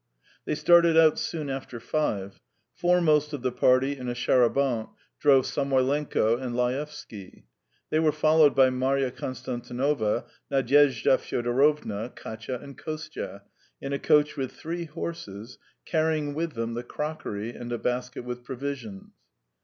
They started out soon after five. Foremost of the party in a char à banc drove Samoylenko and Laevsky; they were followed by Marya Konstantinovna, Nadyezhda Fyodorovna, Katya and Kostya, in a coach with three horses, carrying with them the crockery and a basket with provisions.